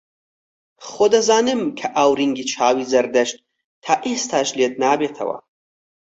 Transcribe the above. خۆ دەزانم کە ئاورینگی چاوی زەردەشت تا ئێستاش لێت نابێتەوە